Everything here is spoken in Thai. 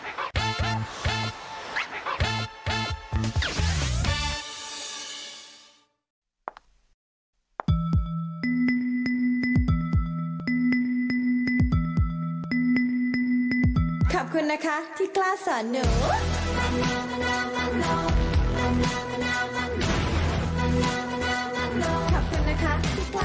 วันนี้เกี่ยวกับกองถ่ายเราจะมาอยู่กับว่าเขาเรียกว่าอะไรอ่ะนางแบบเหรอแล้วก็แดงชื่ออะไรนางแบบเหรอ